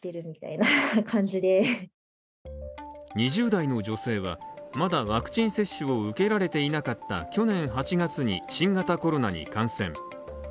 ２０代の女性は、まだワクチン接種を受けられていなかった去年８月に、新型コロナに感染。